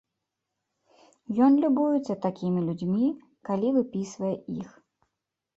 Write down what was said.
Ён любуецца такімі людзьмі, калі выпісвае іх.